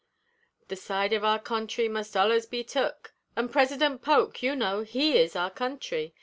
The side of our country must ollers be took, An' President Polk, you know, he is our country.